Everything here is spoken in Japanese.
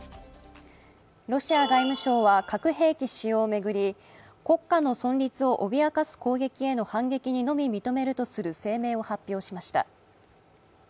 ロシア外務省は核兵器使用を巡り国家の存立を脅かす攻撃への反撃にのみ認めるとする声明を発表しました。